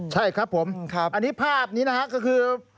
ใช่ครับผมอันนี้ภาพนี้นะฮะก็คือ